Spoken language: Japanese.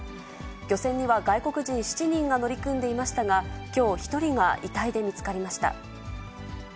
漁船には外国人７人が乗り組んでいましたが、きょう、１人が遺体で見つかりました。